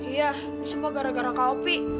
iya semua gara gara kak opi